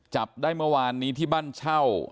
จับได้เมื่อวานนี้ที่บ้านเช่า